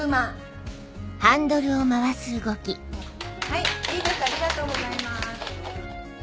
はいいいですありがとうございます。